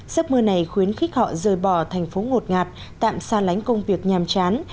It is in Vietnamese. giấc mơ này khuyến khích họ rời bỏ thành phố ngột ngạt tạm xa lánh công việc nhàm chán